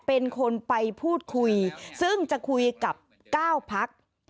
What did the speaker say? เป็นคนไปพูดคุยซึ่งจะคุยกับ๙พัก